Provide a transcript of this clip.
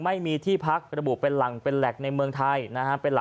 ไม่มีที่พักระบุเป็นหลังเป็นแหลกในเมืองไทยนะฮะ